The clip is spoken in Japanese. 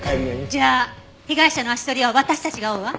じゃあ被害者の足取りは私たちが追うわ。